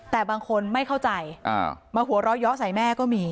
แต่บางคนไม่เข้าใจมาหัวเราะเยาะใส่แม่ก็มี